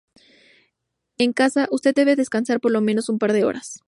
En casa, usted debe descansar por lo menos un par de horas.